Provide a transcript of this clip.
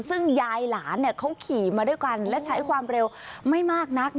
ซึ่งยายหลานเขาขี่มาด้วยกันและใช้ความเร็วไม่มากนัก